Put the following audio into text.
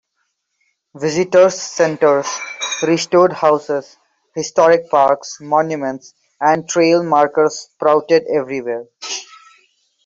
Visitors' centers, restored houses, historic parks, monuments, and trail markers sprouted everywhere.